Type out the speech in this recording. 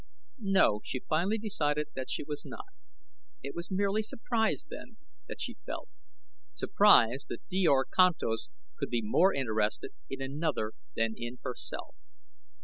No, she finally decided that she was not. It was merely surprise, then, that she felt surprise that Djor Kantos could be more interested in another than in herself.